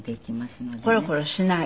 コロコロしない？